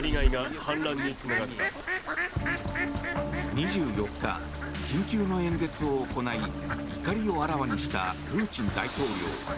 ２４日、緊急の演説を行い怒りをあらわにしたプーチン大統領。